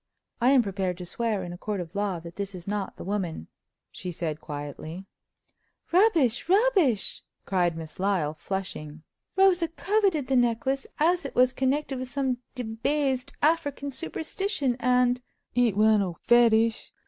"I am prepared to swear in a court of law that this is not the woman," she said, quietly. "Rubbish, rubbish!" cried Miss Lyle, flushing. "Rosa coveted the necklace, as it was connected with some debased African superstition, and—" "It one ole fetish!"